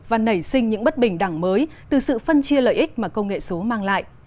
và nảy sinh những bất bình đẳng mới từ sự phân chia lợi ích mà công nghệ số mang lại